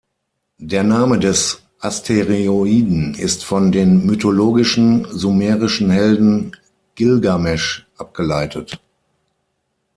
Der Name des Asteroiden ist von dem mythologischen sumerischen Helden Gilgamesch abgeleitet.